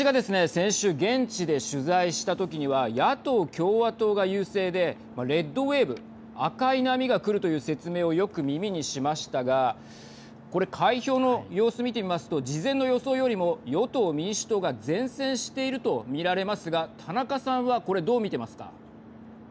先週、現地で取材した時には野党・共和党が優勢でレッド・ウェーブ＝赤い波が来るという説明をよく耳にしましたがこれ、開票の様子を見てみますと事前の予想よりも与党・民主党が善戦していると見られますが田中さんはこれどう見てますか。